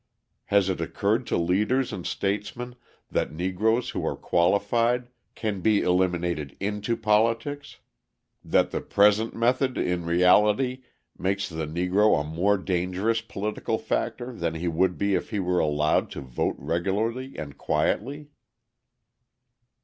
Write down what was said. Has it occurred to leaders and statesmen that Negroes who are qualified can be eliminated into politics; that the present method in reality makes the Negro a more dangerous political factor than he would be if he were allowed to vote regularly and quietly?